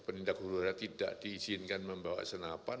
penindak hulura tidak diizinkan membawa senapan